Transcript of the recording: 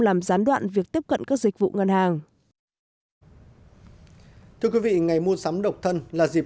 làm gián đoạn việc tiếp cận các dịch vụ ngân hàng thưa quý vị ngày mua sắm độc thân là dịp